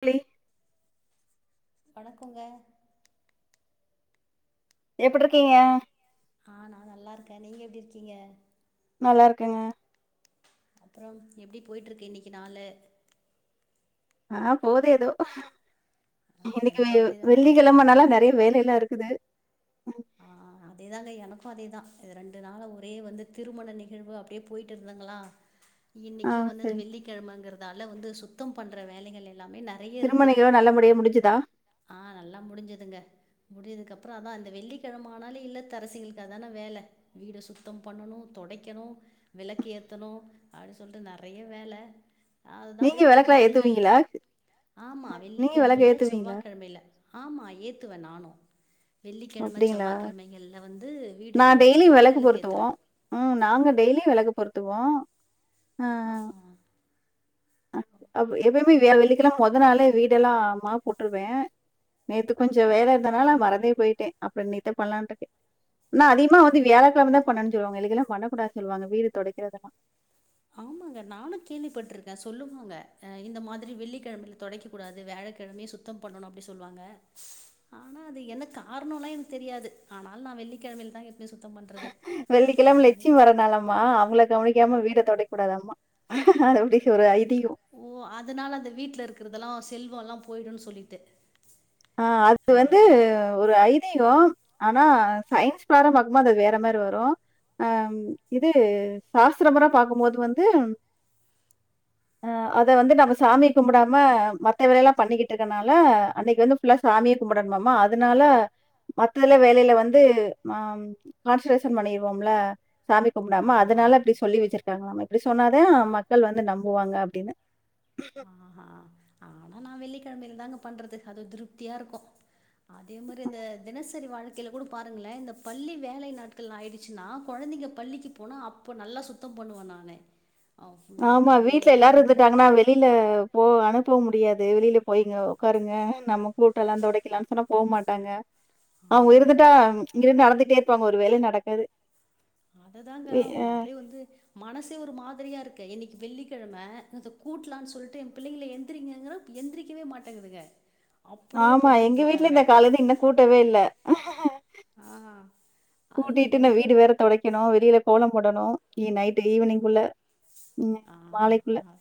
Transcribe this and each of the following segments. புலி வணக்கங்க எப்ருக்கீங்க ஆ நா நல்லாருக்கே நீங்க எப்டி இருக்கீங்க நல்லா இருக்குங்க அப்புறம் எப்படி போய்ட்ருக்கு இன்னைக்கு நாலு ஆ போது ஏதோ இன்னைக்கு எனக்கும் அப்டிதாங்க வெள்ளிக்கெழம்னால நெறைய வேலல்லா இருக்குது ஆ அதேதாங்க எனக்கு அதேதா இது ரெண்டு நாள ஒரே வந்து திருமண நிகழ்வு அப்படியே போயிட்டு இருந்துங்களா ஆ இன்னைக்கு வந்து அந்த சரி வெள்ளிக்கெழமைங்கற அதால வந்து சுத்தம் பண்ற வேலைகள் எ எல்லாமே நெறய திருமண இருக்கு நிகழ்வு நல்லபடியா முடிஞ்சுதா ஆ நல்லா முடிஞ்சதுங்க முடிஞ்சதுக்கு அப்பற அதா இந்த வெள்ளிக் கிழம ஆனாலே இல்லத்தரசிகளுக்கு அதான வேல வீடு சுத்தம் பண்ணணு தொடைக்கணு விளக்கு ஏத்தனு அப்டின் சொல்லிட்டு நெறய வேல அதுதா நீங்க அப்டியே விளக்குலா போய்டிட்ருக்குங்க ஏத்துவீங்களா ஆமா நீங்க விளக்கு வெள்ளிக்கெழமையில ஏத்துவீங்களா செவ்வாய்கெழமையில ஆமா ஏத்துவே நானு வெள்ளிக்கெழம ங்களா நா டெய்லி துடைச்சிட்டு வெளக்கு பொறுத்துவோ விளக்கேத்துவேன். ம் நாங்க டெய்லியு வெளக்கு பொருத் த்துவோ அம் அ அப் எதுப் யு வெள்ளிக்கெழம மொத நாளே வீடெல்லா மாப் போட்ருவே நேத்து கொஞ்ச வேலயிருந்தனால மறந்தே போயிட்டே அப்பற இன்னைக்குதா பண்லான்ட்ருக்கே ஆனா அதிகமா வந்து வியாழக்கெழம தா பண்ணனுன் சொல்லுவாங்க இல்லிங்களா பண்ணக்கூடா சொல்லுவாங்க வீடு தொடைக்கிறதெல்லா ஆமாங்க நானு கேள்விப்பட்டுருக்கே சொல்லுவாங்க அ இந்த மாதிரி வெள்ளிக்கெழமயில தொடைக்க கூடாது வியாழக்கெழமையே சுத்தம் பண்ணணு அப்டினு சொல்லுவாங்க ஆனா அது என்ன காரணம்ல்லா எனக்கு தெரியாது ஆனாலு நா வெள்ளிக்கெழமையிலதா வெள்ளிக்கெழம லட்சுமி வர நாளாம்மா அவங்கள கவனி காம வீட தொடைக்கூடாதாம அப்படினு ஒரு ஐதீ ஓ அதனால அந்த வீட்ல இருக்கறதெல்லா ஸ் செல்வல்லா போய்டுன்னு சொல்லிட்டு ஆ அது நான் வந்து இதான் ஒரு ஐதீக ஆனா சயின்ஸ் பிரகரம் பாக்கும்போது அது வேற மாரி வரும் அ இது சாஸ்திர மொற பாக்கும்போது வந்து அ அத வந்து நம்ம சாமி கும்படாம மத்த வேலை பண்ணிக்கிட்டுக்கனால அன்னைக்கு வந்து ஃபுள்ளா சாமியே கும்படணமாமா அதனால மத்ததுல வேலையில வந்து ஆம் கான்சென்ரேஷன் பண்ணிருவோம்ல சாமி கும்படாம ஆமா. அதனால அப்டி சொல்லி வச்சிருக்காங்கலாமே அப்டி சொன்னாத மக்கள் வந்து நம்புவாங்க அப்டின்னு ஆ ஆ ஆனா நா வெள்ளிக்கெழ்மைல் தாங்க பண்றது அது திருப்தியா இருக்கோ அதே மாரி இந்த தினசரி வாழ்க்கேல கூட பாருங்களே இந்த பள்ளி வேலை நாட்கள் ஆயிடுச்சுன்னா கொழந்திங்க பள்ளிக்கி போனா அப்ப நல்லா சுத்தம் பண்ணுவே நானு அ ஃபுல்லா ஆமா காலையில வீட்ல எல்லாரு எழுந்து இருந்துட்டாங்ன்னா வெளி யில போ அனுப்ப முடியாது வெளியிலே போய்ங்கோ உக்காருங்க நம்ம கூட்டலா தொடைக்கிலான் சொன்னா போக் மாட்டாங்க ஆ [unintelligible] அதுதான். ச்ச் இங்கிருந்து நடந்துட்டே இப்போ அங் ஒரு வேலையு நடக்காது அததாங்க வி அ அப்டே வந்து மனசே ஒரு மாதிரியாருக் கு இன்னிக் வெள்ளிக்கெழம இத கூட்லான் சொல்ட்டு எம் பிள்ளைகிள எந்திரங்ககிறே எந்திரிக்கவே மாட்டேங்குதுங்க அப்படியே ஆமா எங்க படுத்துக்கிட்டு வீட்ல இருக்காங்க. இந்த காலெந்து இன்னு கூட்டவே இல்ல ஆ ஆ அதுதான் கூட்டிட்டு ந வீடு எனக்கே வேற தொடைக்கனு வெளியில கோலம் போடனு இ நைட்டு ஈவினிங் குள்ள அ ஆ அ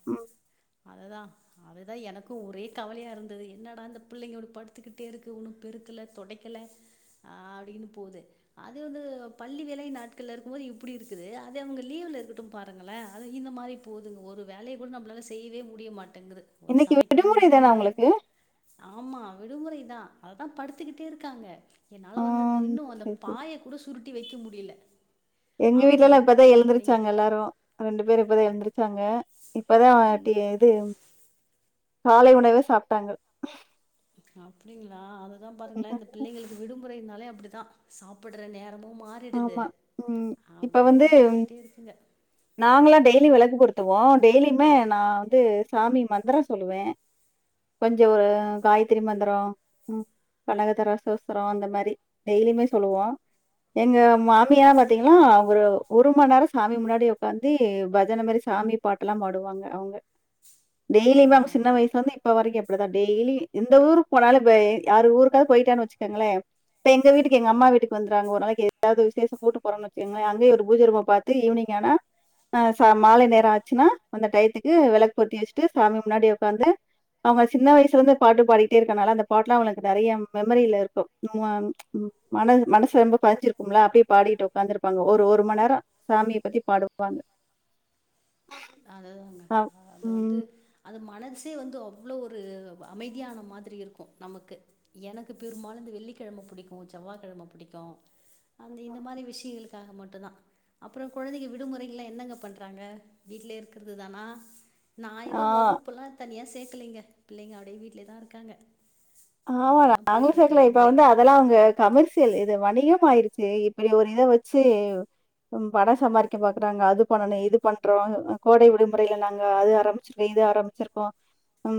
அதுதா அதுதா எனக் கு ஒரே கவலயா இருந்துது என்னடா இந்த பிள்ளைங்களு படுத்துக்கிட்டே இருக்கு இன்னு பெருக்கல தொடைக்கல ஆ அப்டீனு போது அது வந்து பள்ளி வேலை நாட்கள்ள இருக்குமோது இப்புடி இருக்குது அதே இவ்ங்க லீவு இர்க்கட்டூ பாருங்களேன் அது இந்த மாரி போதுங் ஒரு வேலய கூட நம்ப்ளால செய்யிவே முடிய மாட் டங்குது ஒரு இன்னைக்கு சமைக்கவு விடுமுறை தான முடிவு உங்களுக்கு? ஆமா விடுமுறைதா அதா படுத்துகிட்டே இருக்காங்க என்னால வந்து இந்த ம். இன்னு அந்த சரி, சரி. பாயகுடோ சுருட்டி வெக்க முடில எங்க வீட்ல எல்லா இப்பதா எழுந்திருச்சாங்க எல்லாரு ரெண்டு பேரு இப்பதா எழுந்துருச் ச்சாங்க இப்பதா டீ இது காலை உணவு சாப்ட்டாங்கோ அப்டிங்ளா அதுதா பாருங்களே இந்த பிள்ளைகளுக்கு விடுமுறை னாலே அப்பிடிதா சாப்பிடுற நே ஆமா ம் இப்ப அப்டியே வந்து உக்காந்துக்கிட்டே இருக்குங்க நாங்ளா டெய்லி வெளக் [unintelligible] டெய்லிமே நா வந்து சாமி மந்தரோ சொல்லுவே கொஞ்சோ ஒரு காய்திரி மந்தரோ ம் கனகதரஸ் சூஸ்தரோ அந்த மாரி டெய்லிமே சொல்லுவோ எங்க மாமியலா பாத்தீங்ன்னா ஒரு ஒரு மண் நேரோ சாமி முன்னாடி உக்காந்தி பஜன மாரி சாமி பாட்டுல்லா பாடுவாங்க அவுங்க ஆ டெய்லிமே அவ்ங் சின்ன வய்ஸ்லந்து இப்ப வரைக்கு இப்டிதா டெய்லி எந்த ஊருக் போனாலு வ யாரு ஊருக்காவ்த் போயிட்டேன் வெச்சுக்கேங்களே இப்ப எங்க வீட்டுக்கு எங்க அம்மா வீட்டுக் வந்துறாங்க ஒரு நாளைக் தி எதாவ்து விசேசோ கூட்டு போறேன் வச்சுங்ளே அங்கய ஒரு பூஜ ரூம பாத்து ஈவினிங் ஆனா அ ச மாலை நேர ஆச்சுன்னா அந்த டயத்துக்கு விளக் பொத்தி வெஷ்ட்டு சாமி முன்னாடி உக்காந்து அவுங்க சின்ன வய்சுலந்து பாட்டு பாடிட்டே இருக்கனால அந்த பாட்ல அவங்களுக்கு நெறைய ம் மெமரியில இருக்கு ம் ம் ச்ச் ம் மன மனசு ரொம்போ பதிஞ்சி ரும்ல அப்டே பாடிட்டு உக்காந்துருப்பாங்க ஒரு ஒரு மண் நேரோ சாமியை பத்தி பாடுவாங்க அதுதாங்க அ அது ம். வந்து அது மனசு [unintelligible] அவ்ளோ ஒரு வ அமைதியா ஆன மாதிரி இருக்கோ நமக்கு எனக்கு பெரூம்பாலு இந்த வெள்ளிக்கெழம புடிக்கோ செவ்வாக்கெழம புடிக்கோ அந் இந்த மாரி விஷியகளுக்காக மட்டுதா அப்புறோ குழந்தைதிக விடுமுறைகள்ள என்னங்க பண்றாங்க வீட்லே இருக்கிற்து தானா நா ஆ எது வகுப்பெல்லா தனியா கேக்கலைங்க பிள்ளைங்க ஆல்ரெடி வீட்லேயே தான் இரூக்காங்க ஆமா நாங்களும் சேக்கல இப்ப வந்து அதெல்லாம் அவுங்க கமர்சியல் இது வணிகமாயிருக்கு சே இப்படி ஒரு இத வச்சு பணம் சம்பாதிக்க பாக்குறாங்க அது பண்ணணும் இது பண்றோம் கோடை விடுமுறையில நாங்க அது ஆரம்பிச்சிருக்கோம் இது ஆரம்பிச்சிருக்கோம் உ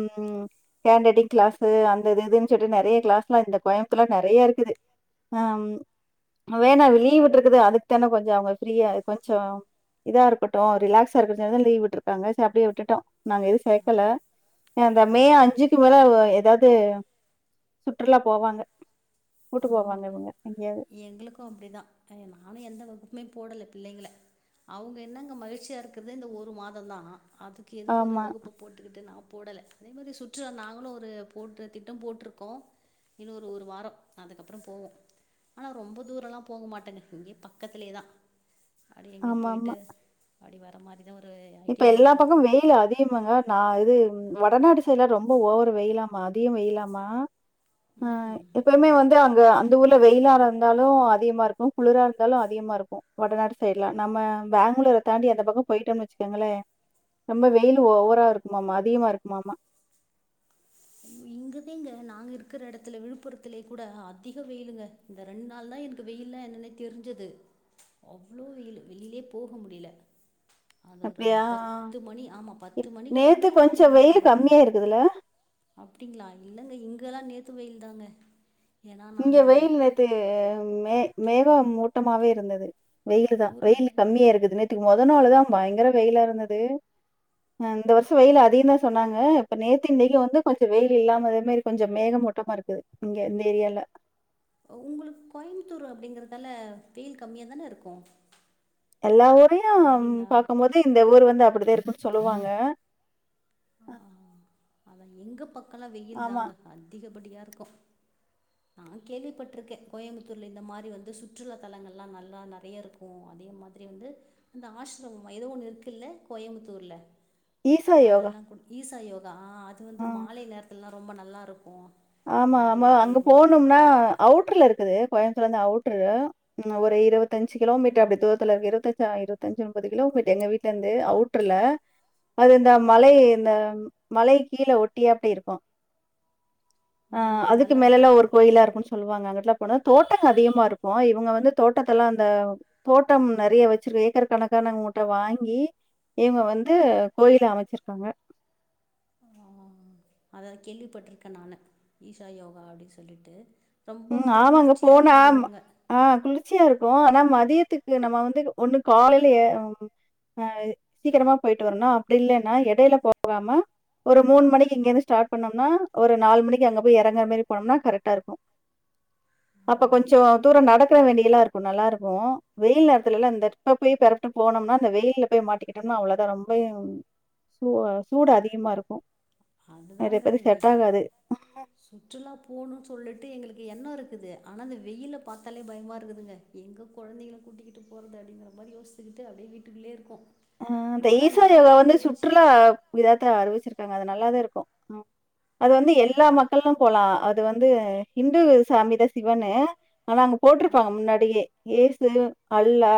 ஹேண்ட்ரைட்டீங் கிளாஸ் அது இதுஇதுன்னு சொல்லி நறைய கிளாஸ்லா இந்த கோயமுத்தூர்ல நறைய இருக்குது ஹ வேணா லீவ் விட்டுருக்குது அதுக்கென்ன போச்சு அவுங்க ஃப்ரியா கொஞ்ச இதா இருக்கட்டும் ரிலாக்சா இருக்கருதுக்காக லீவ் விட்டுருக்காங்க சரி அப்பிடியே விட்டுட்டோம் நாங்க எது சேக்கல அ அந்த மே ஆமாம் அஞ்சுக்கு மேல ஏதாவது இது சுற்றுலா போவாங்க கூட்டு போவாங்க இவுங்க எங்களுக்கு‌ அப்பிடிதா ஏ நானு எந்த அளவுக்கு மேம் போடல பிள்ளைங்கள அவுங்க என்னங்க மகிழ்ச்சியா இருக்கருதே இந்த ஒரு மாதம்தா அதுக்கு எதுக்கு ஒரு ஆமா, வகுப்ப போட்டுக்கிட்டு நான் போடல அதே மாரி சுற்றுலா நாங்களும் ஒரு போட்டு திட்டம் போட்டிருக்கோம் இன்னும் ஒரு ஒரு வாரம் அதுக்கப்புறம் போவோம் ஆனா ரொம்ப தூரம் எல்லாம் போக மாட்டேங்க இங்கேயே பக்கத்திலயே தான் அடி எங்கே ஆமாமா. போயிட்டு படி வர மாரி இப்ப எல்லா பக்கமும் வெயில் அதிகமங்க நா ஏய் வடநாடு சைடுலா ரொம்ப ஓவரு வெயிலாமா அதிக வெயிலாமா அ ம் எப்பயுமே வந்து அங்க அந்த ஊர்ல வெயிலாறந் இருந்தாலும் அதிகமா இருக்கு குளிரா இருந்தாலும் அதிகமா இருக்கும் வடநாடு சைட்ல நம்ம பேங்களூர தாண்டி அந்த பக்கம் போயிட்டோனு வச் ங்களே ரொம்ப வெயில் ஓவரா இருக்குமாமா அதிகமா இருக்குமாமா இங்கதாங்க நாங்க இருக்கிற எடத்துல விழுப்புரத்திலை கூட அதிக வெயிலுங்க இந்த ரெண்டு நாள் தான் எனக்கு வெயில்ல என்னன்னே தெரிஞ்சது அவ்ளோ வெயிலு வெளியிலேயே போக முடியல அது ஒரு அப்படியா? பத்து மணி ஆமா பத்து இப் மணிக்கு நேத்து அப்புறமே என்னால கொஞ்சம் வெளியில வெயில் போக முடியல கம்மியா இருக்குதுல்ல? அப்பிடிங்களா இல்லங்க இங்க எல்லாம் நேத்து வெயில் தாங்க ஏன்னா நான் இங்க அந்த வெயில் நேத்து மே மேகம் மூட்டமாவே இருந்தது வெயில் தான் ஒரு வெயில் கம்மியா இருக்குதுனு இக்கு மொத நாளுதான் பயங்கர வெயிலா இருந்தது இந்த வருஷம் வெயில் அதிகம் தான் சொன்னாங்க இப்ப நேத்து இன்னிக்கு வந்து கொஞ்சம் வெயில் இல்லாம அதே மாரி கொஞ்சம் மேகமூட்டமா இருக்குது இங்க இந்த ஏரியால உங்களுக்கு கோயமுத்தூர் அப்பிடிங்கறதால வெயில் கம்மியா தானே இருக்கும் எல்லா ஊர் பேராவூர் அப்படிங்களா பாக்கும்போது இந்த ஊர் வந்து அப்பிடி ரேப்புனு சொல்லுவாங்க அ எங்க பக் நல்லா வெயில் தாங்க அதிகப்படியா க்கும் நான் கேள்விப்பட்டிருக்கேன் கோயமுத்தூர்ல இந்த மாரி வந்து சுற்றுலா தலங்கள் எல்லாம் நல்லா நறைய இருக்கும் அதே மாதிரி வந்து அந்த ஆஷ்ரமம் எதோ ஒண்ணு இருக்குல கோயமுத்தூர்ல ஈசா யோகா ஈசா யோகா ஆ அது வந்து ஆ. மாலை நேரத்துல்லா ரொம்ப நல்லாருக்கும் ஆமா ஆமா அங்க போனும்னா அவுட்ர்ல இருக் குது கோயம்பத்தூர்ல இருந்து அவுட்ரு ம் ஒரு இருபத்தஞ்சு கிலோமீட்டர் அப்படி தூரத்துல இருக் இருபத்தஞ்சு அ இருபத்தஞ்சு அம்பது கிலோமீட்டர் எங்க வீட்ல இருந்து அவுட்டர்ல அது இந்த மலை இந்த மலை கீழ ஒட்டியே அப்படியே இருக்கு ஆ ம், அதுக்கு நல்லா மேலல்லா ஒரு கோயிலா இருக்குன் சொல்லுவாங்க அங்கிட்டலா போனா தோட்டம் அதிகமா இருக்கு இவங்க வந்து தோட்டத்த எல்லா அந்த தோட்டம் நிறைய வச்சிருக்க ஏக்கர் கணக்கான் அவுங்கிட்ட வாங்கி இவங்க வந்து கோயில அமச்சிருக்காங்க அதத கேள்விப்பட்டிருக்கே நானு ஈஷா யோகா அப்டி சொல்லிட்டு ரொம்ப ம் வந்து ஆமங்க குளிர்ச்சியாக போன இருக்கும் அப்படின்வாங்க ஆ குளிச் சியா இருக்கு ஆனா மதியத்துக்கு நம்ம வந்து ஒண்ணு காலையில ஆ சீக்கிரமா போயிட்டு வரோனா அப்படி இல்லைன்னா எடையில போகாம ஒரு மூணு மணிக்கு இங்க இருந்து ஸ்டார்ட் பண்ணம்னா ஒரு நாலு மணிக்கு அங்க போய் எறங்குற மாரி போனோம்னா கரெக்டா இருக்கு ஆ, அப்ப கொஞ்சோ தூரம் நடக்கற வேண்டிய எல்லா இருக்கு நல்லா இருக்கு வெயில் நேரத்துலலா அந்த இப்ப போய் பெறப்ட்டு போனோம்னா அந்த வெயில்ல போய் மாட்டிக்கிட்டோம்னா அவ்வளவுதா ரொம்ப சூ சூடு அதிகமா இருக்கு நெறைய அதுதாங்க பேருக்கு செட் ஆகாது சுற்றுலா போணுனு சொல்லிட்டு எங்களுக் எண்ணம் இருக்குது ஆனா அந்த வெயில பாத்தாலே பயமா இருக்குதுங்க எங்க கொழந்தைங்கள கூட்டிகிட்டு போறது அப்படிங்கிற மாரி யோசித்துக்ட்டு அப்படியே வீட்டுக்குள்ளேயே இருக்கோ அ இந்த ஈசா யோகா வந்து சுற்றுலா இத அறிவிச்சிருக்காங்க அது நல்லாதா இருக்கும் அது வந்து எல்லா மக்களும் போலா அது வந்து இந்து சாமி தா சிவனு ஆனா அங்க ஆ போட்டிருப்பாங்க முன்னாடியே இயேசு அல்லா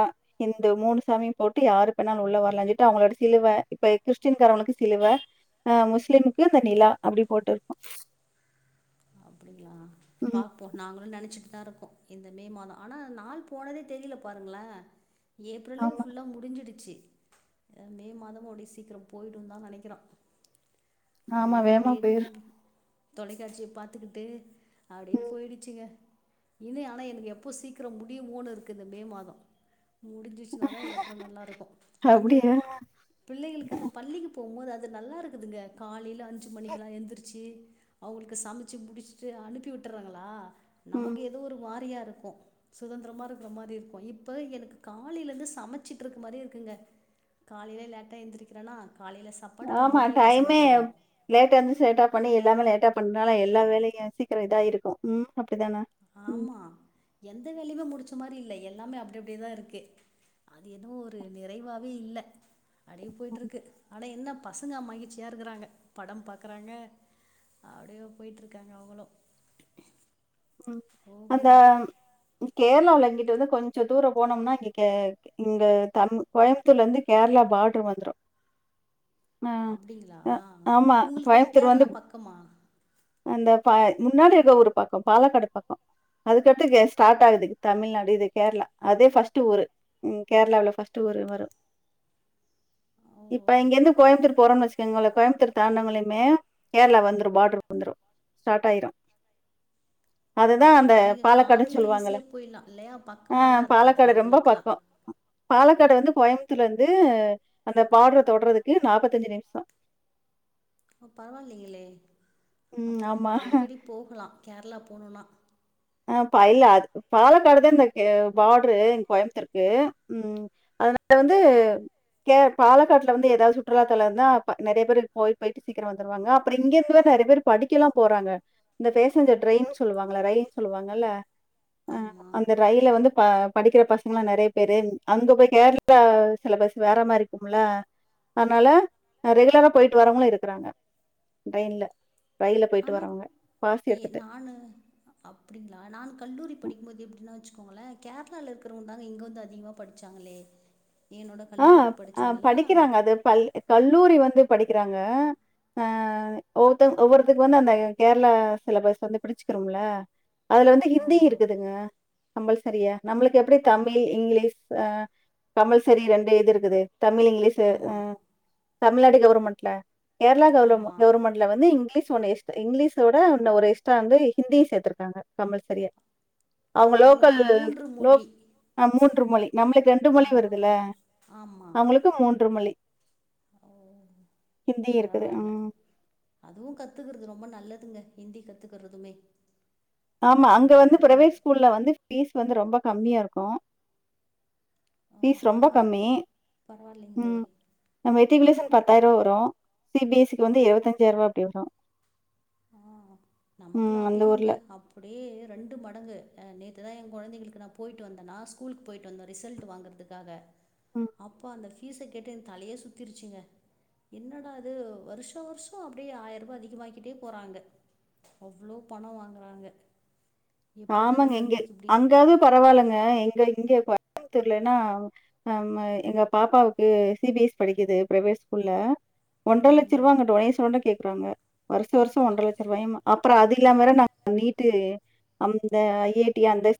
இந்து மூணு சாமியு போட்டு யாருக் ப்ப நாங்க உள்ள வரலாஞ்சொல்லிட்டு அவங்களோட சிலுவை இப்ப கிறிஸ்டின்காரங்களுக்கு சிலுவ அ முஸ்லிமுக்கு இந்த நிலா அப்டி போட்டுருக்கு பாப்போம் நாங்களு நெனச்சிட் தா இருக்கோ இந்த மே மாதம் ஆனா நாள் போனதே தெரியல பாருங்களே ஏப்ரலு ஆமா, ஃபுல்லா முடிஞ்சிடுச்சு மே மாதமு அடிய சீக்கிரம் போய்டும் தா நெனைக்கிறோ ஆமா வேகமா போயிரு தொலைக்காட்சிய பாத்துக்கிட்டு அப்படியே ம். போயிடுச்சுங்க இனி ஆனா எனக்கு எப்போ சீக்கிரம் முடியுமோனு இருக்கு இந்த மே மாதம் முடிஞ்சிடுச்சுனா தா அதுக்கப்புறம் நல்லாருக்கு அந்த அப்டியா? பிள்ளைகளுக்கு அந்த பள்ளிக்கு போம்போது அது நல்லா இருக்குதுங்க காலையில அஞ்சு மணிக்குலா எந்திரிச்சு அவங்களுக்கு சமைச்சு முடிச்சிட்டு அனுப்பிவிட் றாங்களா ம். நமக்கு ஏதோ ஒரு வாரியார் கு சுதந்திரமா இருக்கிற மாதி இருக்கும் இப்ப எனக்கு காலைலருந்து சமைச்சுட் இருக்கற மாரியே இருக்குங்க காலையில லேட்டா எந்திருக்கிறேனா ஆமா டைமே லேட்டா எந்திரிச்சி லேட்டா பண்ணி எல்லாமே லேட்டா பன்னால எல்லா வேலையு சீக்கிரோ இதா இருக்கு ம் அப்டிதானா? ம். ஆமா எந்த வேலையுமே முடிச்ச மாரி இல் ல எல்லாமே அப்டி அப்டியேதா இருக்கு அது என்னமோ ஒரு நிறைவாவே இல்ல அப்டியே போயிட்டு ம். இருக்கு ஆனா என்ன பசங்க மகிழ்ச்சியா இருக்கிறாங்க படம் பாக்குறாங்க அப்டியே போயிட்ருக்காங்க அவங்களு ம் அந்த போகணுங்க கேரளாவுல என்கிட்டு வந்து கொஞ்ச தூரோ போனோம்னா இங்க கே இந்த தம் கோயம்புத்தூர்லந்து கேரளா பாட்ரு வந்துரூ அப்புடிங்களா உங்குளுக்கு அப்ப கோயம்புத்தூர் வந்து கேரளா பக்கமா அந்த ப முன்னாடி இருக்க ஊரு பக்கம் பாலக்காடு பக்கோ அதுக்கடுத்து கே ஸ்டார்ட் ஆகுது தமிழ்நாடு இது கேரளா அதே ஃபர்ஸ்ட்டு ஊரு ம் கேரளாவுல ஃபர்ஸ்ட் ஊரு வரும் ஓ இப்ப இங்கேருந்து கோயம்புத்தூர் போறோம்னு வச்சுக்கோங்களே கோயம்புத்தூர் தாண்டவங்களுமே கேரளா வந்துரும் பாட்ருக்கு வந்துரும் ஸ்டார்ட் ஆயிரும் அதுதான் அந்த அப்ப நீங்க பாலக்காடுன்னு கார்ல சொல்லுவாங்கல்ல. ஈஸியா போயில்லா இல்லையா ஆ பக்கமாதா இருக்கு அப்போ பாலக்காடு ரொம்ப உங்குளுக்கல்லா பக்கம். பாலக்காடு வந்து கோயம்புத்தூர்லந்து அந்த பாட்ர தொட்றதுக்கு நாப்பத்தஞ்சு நிமிஷோ ஓ பரவால்லிங்களே ம். அப்ப நீங்க ஆமா. அடிக்கடி போகலா கேரளா போனோன்னா அ பயில்ல அதுக்கு பாலக்காடு தா இந்த கே பாட்ரு இங் கோய்ம்த்தூர்கு ம் [unintelligible] வந்து கேர் பாலக்காட்ல வந்து ஏதாவ்து சுற்றுலாத்தலோ இருந்தா அப்ப நெறையா பேருக் போயி போயிட்டு சீக்கரோ வந்துருவாங்க அப்புறோ இங்கே இருந்து வேற நெறையா பேர் படிக்கேல்லா போறாங்க இந்த ஃபேசஞ்சர் ட்ரைன்னுன் சொல்லுவாங்கள ரயில் சொல்லுவாங்கல்ல அ ஆமா அந்த ரயில வந்து ப படிக்குற பசங்கல்லா நெறைய பேரு அங்க போயி கேர்ளா சிலபஸ் வேற மாரிருக்கும்ல அத்னால அ ரெகுலரா போயிட்டு வரவுங்களும் இருக்குறாங்க ட்ரெயின்ல ரயில்ல போயிட்டு ஆனா வரவுங்க பாசு எடுத்துட்டு அப்டிங்ளா நாங் கல்லூரி படிக்கும்போது எப்டி அ வெச்சுக்கோங்களே கேர்ளால இருக்கறவ்ங்க தாங்க இங்க வந்து அதிகமா படிச்சாங்களே என்னோட அ கல்லூரி அ படிச்சவங்கல்லா படிக்கறாங்க அது பல் கல்லூரி வந் து படிக்கிறாங்க ஆ ஒவ்தொங் ஒவ்வொருத்தர்கு வந்து அந்த கேர்ளா சிலபஸ் வந்து பிடிச்சுக்குரும்ல அதுல வந்து ஹிந்தி ஆமா இருக்குதுங்க கம்பல்செரியா நம்ளுக்கு எப்புடி தமிழ் இங்லீஷ் ஆ கம்பல்ஸ் செரி ரெண்டு இது இருக்குது தமிழ் இங்லீஷு ஆ ஆமா தமிழ்நாடு கவுருமெண்ட்ல கேர்ளா கவுலம ஆமா கவுருமெண்ட்ல வந்து இங்லீஷ் ஒன்னு எஸ்ட்டா இங்லீஷோட ஒன்னு ஒரு எக்ஸ்ட்ரா வந்து ஹிந்தி சேத்துருக்காங்க கம்பல்செரியா அவுங்க அவ லோக்கல் அவங்களுக்கு மூன்று லோக் மொழி ஆ மூன்று மொழி நம்ளுக்கு ரெண்டு ஆ மொழி வரு துல ஆமா நம்ளுக்கு மூன்று மொழி ஓ ஹிந்தி இருக்குது. பரவால்ல ம். அதுவு கத்துக்குற்து ரொம்ப நல்லத் துங்க ஹிந்தி கத்துக்கறதுமே ஆமா அங்க வந்து பிரவேட் ஸ்கூல்ல வந்து ஃபீஸ் வந்து ரொம்ப கம்மியாருக்கு ஃபீஸ் ரொம்ப அதனால கம்மி பரவாயில்லைங்களே ம் நம்ப டிவ்லிசன் பத்தாயி ரூவா வரூ சி பி எஸ் சிக்கு வந்து இருவத்தஞ்சாயி ரூவா அப்டி வரூ ஆ நமக்குல்லா அந்த அதிகோங்க ஊர்ல. அப் அப்டே ரெண்டு மடங்கு அ நேத்து தா எ கொழந்தைங்களுக்கு நா போயிட்டு வந்தனா ஸ்கூல்க்கு போயிட்டு வந்தோ ரிசல்டு வாங்கறதுக்காக ம். அப்பா அந்த ஃபீஸ கேட்டு எ தலையே சுத்திருச்சீங்க என்னடா அது வருஷோ வருஷோ அப்டியே ஆய ரூபா அதிகமாகிட்டே போறாங்க அவ்ளோ பணோ வாங்கறாங்க ஆமாங்க எங்க அங்கயாவுது பரவால்லங்க எங்க இங்க கோயமுதூர்லனா நம்ம எங்க பாப்பாவுக்கு சி பி எஸ் சி படிக்குது ப்ரைவேட் ஸ்கூல்ல ஒன்ற ம் லட்சரூவாங்க டொனேஷனோட கேக்கறாங்க வருஷோ வருஷோ அப்பா ஒன்ற லட்சரூவாயம்மா அப்பறோ அதி ட்லியாம்வறோ நாங் நீட்டு அந்த ஐ ஏ டி அந்தஸ்